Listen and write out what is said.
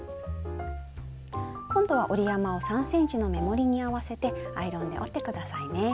今度は折り山を３ｃｍの目盛りに合わせてアイロンで折って下さいね。